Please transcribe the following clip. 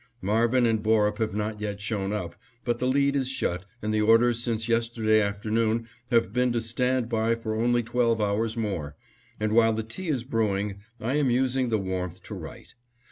Marvin and Borup have not yet shown up, but the lead is shut and the orders since yesterday afternoon have been to stand by for only twelve hours more; and while the tea is brewing I am using the warmth to write.